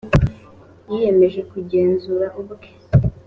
yiyemeje kugenzura ubwe .